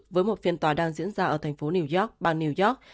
với một phiên tòa đang diễn ra ở thành phố new york bang new york